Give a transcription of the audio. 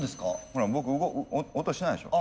ほら僕音しないでしょ？